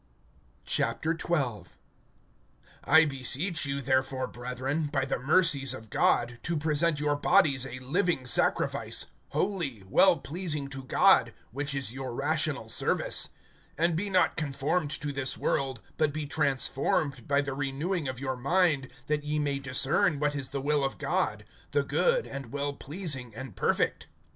XII. I BESEECH you, therefore, brethren, by the mercies of God, to present your bodies a living sacrifice, holy, well pleasing to God, which is your rational service. (2)And be not conformed to this world; but be transformed by the renewing of your mind, that ye may discern what is the will of God, the good, and well pleasing, and perfect.